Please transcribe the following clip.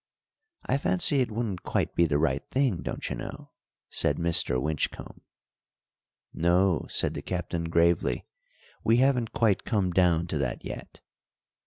"I fancy it wouldn't quite be the right thing, don't you know," said Mr. Winchcombe. "No," said the Captain gravely, "we haven't quite come down to that yet."